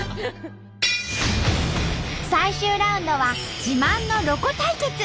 最終ラウンドは自慢のロコ対決！